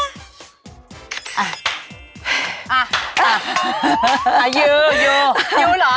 หยูหยูหรอ